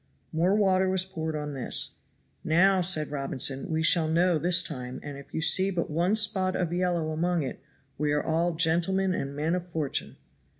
More water was poured on this. "Now," said Robinson, "we shall know this time, and if you see but one spot of yellow among it, we are all gentlemen and men of fortune."